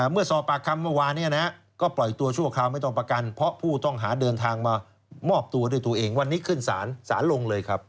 เมื่อสอบปากคำเมื่อวานก็ปล่อยตัวชั่วคราวไม่ต้องประกันเพราะผู้ต้องหาเดินทางมามอบตัวด้วยตัวเองวันนี้ขึ้นศาลศาลลงเลยครับ